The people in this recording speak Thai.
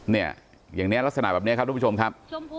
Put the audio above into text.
เนี่ยอย่างนี้ลักษณะแบบนี้ครับทุกผู้ชมครับ